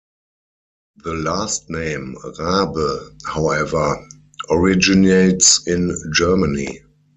The last name "Rabe", however, originates in Germany.